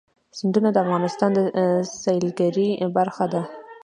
سیندونه د افغانستان د سیلګرۍ برخه ده.